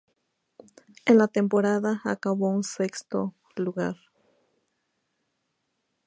En la temporada, acabó en sexto lugar.